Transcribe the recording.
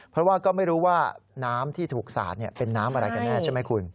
เพราะว่าก็ไม่รู้ว่าน้ำที่ถูกสาดเป็นน้ำอะไรกันแน่ใช่ไหมคุณ